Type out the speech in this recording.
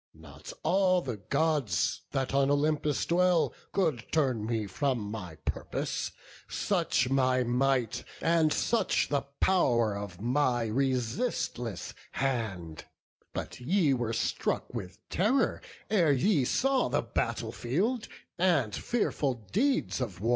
Not all the Gods that on Olympus dwell Could turn me from my purpose, such my might, And such the pow'r of my resistless hand; But ye were struck with terror ere ye saw The battle field, and fearful deeds of war.